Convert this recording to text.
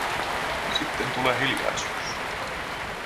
Sitten tulee hiljaisuus.